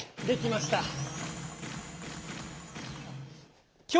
できました。